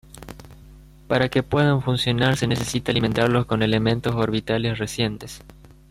Para que puedan funcionar se necesita alimentarlos con elementos orbitales recientes.